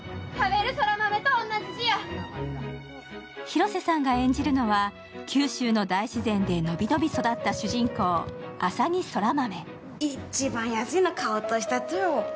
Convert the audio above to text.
広瀬さんが演じるのは九州の大自然で伸び伸び育った主人公・浅葱空豆。